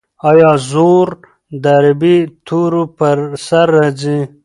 آیا زور د عربي تورو پر سر راځي؟